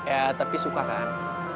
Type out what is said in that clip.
ya tapi suka kan